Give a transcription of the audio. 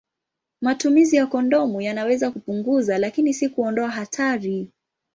Matumizi ya kondomu yanaweza kupunguza, lakini si kuondoa hatari.